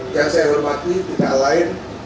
yang saya hormati tidak lain